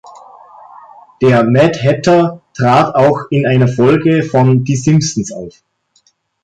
Der Mad Hatter trat auch in einer Folge von Die Simpsons auf.